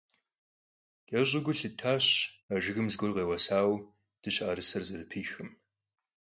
КӀэщӀу гу лъыттащ а жыгым зыгуэр къеуэсауэ дыщэӀэрысэр зэрыпихым.